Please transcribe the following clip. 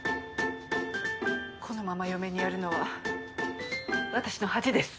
このまま嫁にやるのは私の恥です。